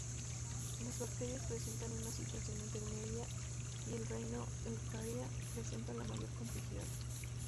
Las Bacterias presentan una situación intermedia y el reino Eukarya presenta la mayor complejidad.